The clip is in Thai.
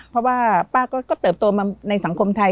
เพราะว่าป้าก็เติบโตมาในสังคมไทย